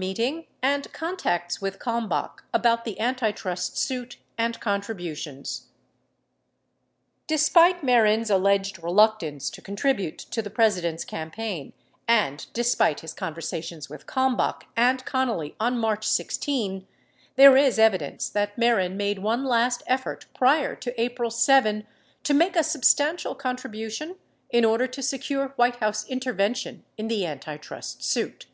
APRIL 4 MEETING AND CONTACTS WITH KALMBACH ABOUT THE ANTI TRUST SUIT AND CONTRIBUTIONS Despite, Meliren's alleged reluctance to contribute to the President's campaign and despite his conversations with Kalmbach and Con nally on March 16, there is evidence that Mehren made one last effort prior to April 7 to make a substantial contribution in order to secure White House intervention in the antitrust suit.